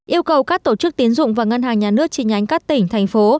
yêu cầu các tổ chức tín dụng và ngân hàng nhà nước chỉ nhánh các tỉnh thành phố